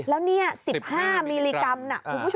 แล้วนี่๑๕มิลลิกรัมนะคุณผู้ชม